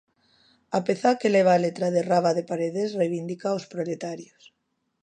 A peza que leva a letra de Rábade Paredes reivindica os proletarios.